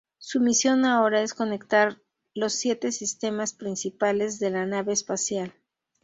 Su misión ahora es conectar los siete sistemas principales de la nave espacial.